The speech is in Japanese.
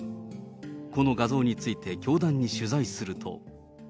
この画像について教団に取材すると。